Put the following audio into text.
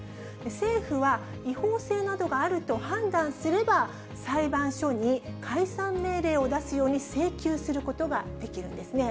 政府は、違法性などがあると判断すれば、裁判所に解散命令を出すように請求することができるんですね。